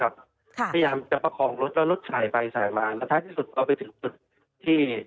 พยายามจะประคองรถแล้วรถสายไปสายมาแล้วท้ายที่สุดเอาไปถึงจุดที่